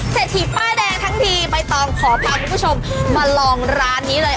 เศรษฐีป้ายแดงทั้งทีใบตองขอพาคุณผู้ชมมาลองร้านนี้เลย